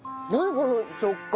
この食感。